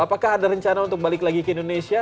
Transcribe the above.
apakah ada rencana untuk balik lagi ke indonesia